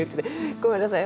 ごめんなさい。